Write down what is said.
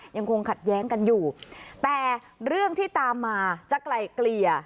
ยังคงขัดแย้งกันอยู่แต่เรื่องที่ตามมาจะไกลเกลี่ย